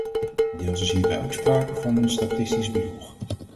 Deels is hierbij ook sprake van een statistisch bedrog.